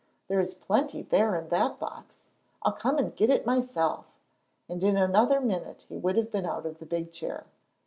There is plenty there in that box. I'll come and get it myself." And in another minute he would have been out of the big chair.